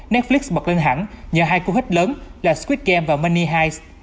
netflix bật lên hẳn nhờ hai khu hít lớn là squid game và money heist